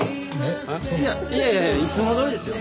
いやいやいやいつもどおりですよ。